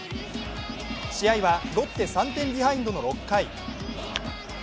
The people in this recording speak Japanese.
試合はロッテ３点ビハインドの６回。